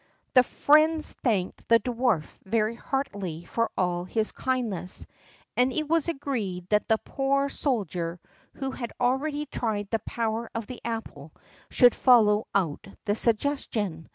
The friends thanked the dwarf very heartily for all his kindness; and it was agreed that the poor soldier, who had already tried the power of the apple, should follow out the suggestion.